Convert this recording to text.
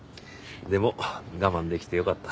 でも我慢できてよかった。